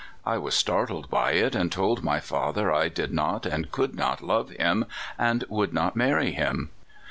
I was startled by it, and told my father I did not and could not love him, and would ^ not marry him.